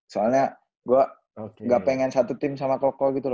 soalnya gue gak pengen satu tim sama koko gitu loh